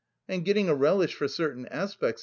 "I am getting a relish for certain aspects!"